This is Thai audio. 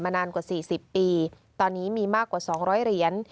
มานานกว่าสี่สิบปีตอนนี้มีมากกว่าสองร้อยเหรียญ